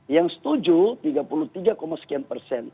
yang setuju tiga puluh tiga sekian persen